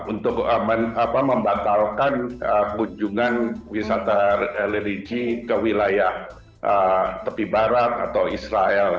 untuk membatalkan kunjungan wisata religi ke wilayah tepi barat atau israel